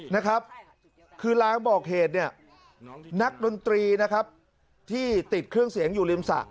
นะครับคือลางบอกเหตุเนี่ยนักดนตรีนะครับที่ติดเครื่องเสียงอยู่ริมสระ